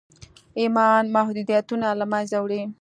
ايمان محدوديتونه له منځه وړي.